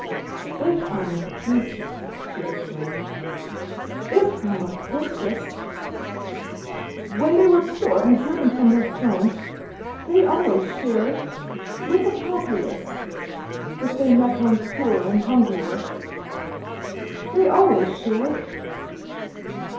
"If I'm a princess," she was saying "if I'm a princess ! When they were poor and driven from their thrones they always shared with the Populace if they met one poorer and hungrier. They always shared.